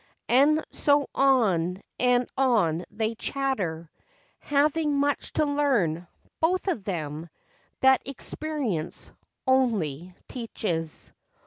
And so on and on they chatter, Having much to learn, both of them, That experience only, teaches.